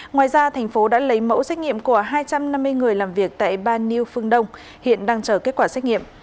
ngoài ra thành phố đã lấy mẫu xét nghiệm của hai trăm năm mươi người làm việc tại ban new phương đông hiện đang chờ kết quả xét nghiệm